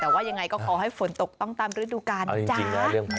แต่ว่ายังไงก็ขอให้ฝนตกต้องตามฤดูกาลนะจ๊ะ